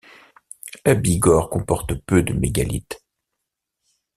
La Bigorre comporte peu de mégalithes.